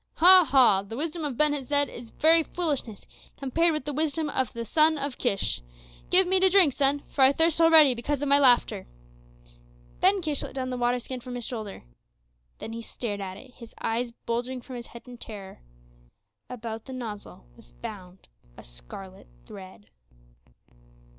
Ha, ha! The wisdom of Ben Hesed is very foolishness compared with the wisdom of the son of Kish. Give me to drink, son, for I thirst already because of my laughter." Ben Kish let down the water skin from his shoulder. Then he stared at it, his eyes bulging from his head in terror. About the nozzle was bound a scarlet thread.